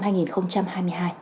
trong năm hai nghìn hai mươi hai